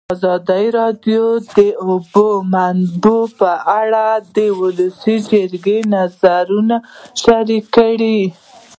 ازادي راډیو د د اوبو منابع په اړه د ولسي جرګې نظرونه شریک کړي.